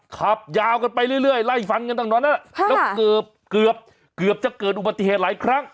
ขับยาวกันไปเรื่อยไล่ฟันกันตั้งตอนนั้นแล้วเกือบเกือบจะเกิดอุบัติเหตุหลายครั้ง